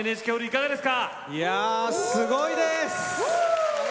いやすごいです！